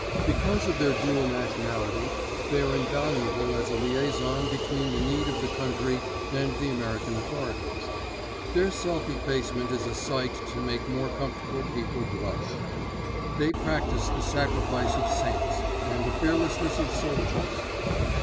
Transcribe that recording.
Because of their dual nationality they are invaluable as a liaison between the need of the country and the American authorities. Their self effacement is a sight to make more comfortable people blush. They practise the sacrifice of saints and the fearlessness of soldiers.